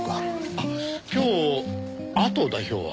あっ今日阿藤代表は？